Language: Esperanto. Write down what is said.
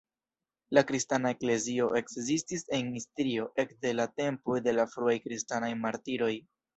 La kristana eklezio ekzistis en Istrio ekde la tempoj de la fruaj kristanaj martiroj.